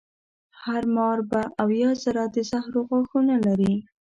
هر مار به اویا زره د زهرو غاښونه لري.